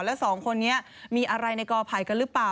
แล้วสองคนนี้มีอะไรในกอไผ่กันหรือเปล่า